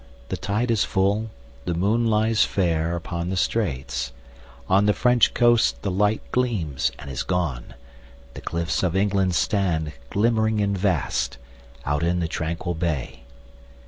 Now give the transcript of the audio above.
The tide is full, the moon lies fairUpon the straits;—on the French coast the lightGleams and is gone; the cliffs of England stand, Glimmering and vast, out in the tranquil bay.